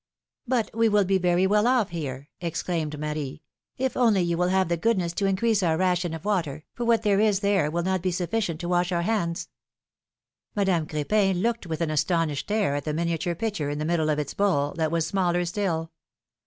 ^^ But we will be very well off here,'' exclaimed Marie, if only you will have the goodness to increase our ration of water, for what there is there will not be sufficient to wash our hands." Madame Cr^pin looked with an astonished air at the miniature pitcher in the middle of its bowl, that was smaller still.